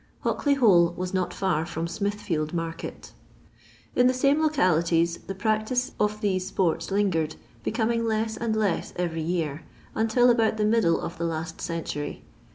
Hockley hole was not far from Smithfield narket In the same localities the practice of these sports lingered, becoming less and less every year, until about the middle of the last century.